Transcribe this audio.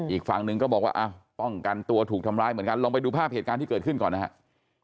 อีกฝั่งหนึ่งก็บอกว่าอ้าวป้องกันตัวถูกทำร้ายเหมือนกันลองไปดูภาพเหตุการณ์ที่เกิดขึ้นก่อนนะครับ